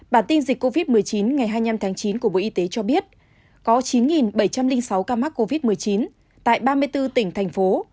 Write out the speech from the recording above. bản tin dịch covid một mươi chín ngày hai mươi năm tháng chín của bộ y tế cho biết có chín bảy trăm linh sáu ca mắc covid một mươi chín tại ba mươi bốn tỉnh thành phố